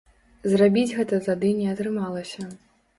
Зрабіць гэта тады не атрымалася.